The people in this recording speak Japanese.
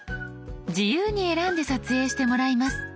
自由に選んで撮影してもらいます。